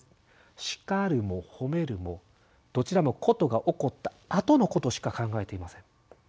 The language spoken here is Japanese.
叱るも褒めるもどちらも事が起こったあとのことしか考えていません。